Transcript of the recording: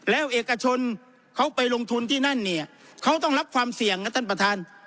แล้วเอกชนเขาไปลงทุนที่นั่นเนี่ยเขาต้องรับความเสี่ยงนะท่านประธาน